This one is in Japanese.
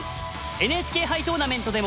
ＮＨＫ杯トーナメントでもおなじみ